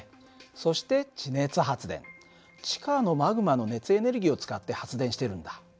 そして地下のマグマの熱エネルギーを使って発電してるんだ。